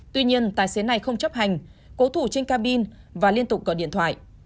tuy nhiên tài xế này không chấp hành cố thủ trên cabin và liên tục gọi điện thoại